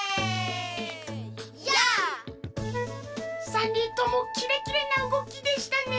３にんともキレキレなうごきでしたね。